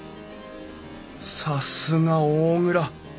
さすが大蔵。